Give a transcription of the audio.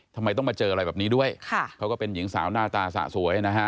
ทำไมต้องมาเจออะไรแบบนี้ด้วยค่ะเขาก็เป็นหญิงสาวหน้าตาสะสวยนะฮะ